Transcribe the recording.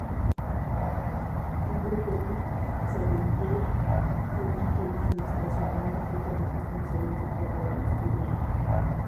Heliópolis se rindió a los musulmanes tras oponer poca resistencia y aceptó pagarles tributos.